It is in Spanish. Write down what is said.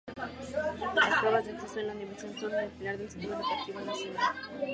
Las pruebas de acceso a la universidad son el pilar del sistema educativo nacional.